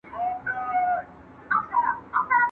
ستاسو د هري لار په سر کښې شپه ده